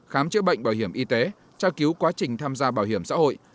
khám chữa bệnh bảo hiểm y tế tra cứu quá trình tham gia bảo hiểm xã hội